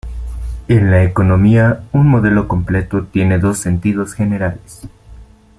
En la Economía, un modelo completo tiene dos sentidos generales.